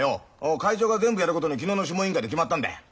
会長が全部やることに昨日の諮問委員会で決まったんだよ。